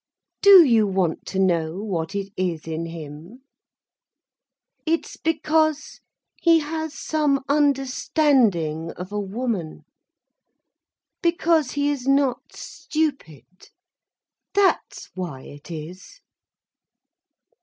"Do you want to know what it is in him? It's because he has some understanding of a woman, because he is not stupid. That's why it is."